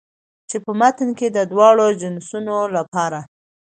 چې په متن کې د دواړو جنسونو لپاره